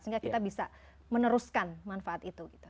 sehingga kita bisa meneruskan manfaat itu gitu